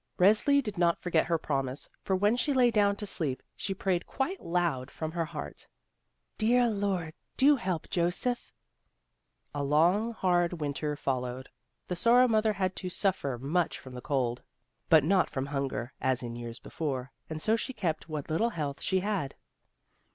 Resli did not forget her promise, for when she lay down to sleep she prayed quite loud and from her heart: "Dear Lord, do help Joseph !" A long, hard Winter followed. The Sorrow mother had to suffer much from the cold, but not from hunger, as in years before, and so she kept what little health she had.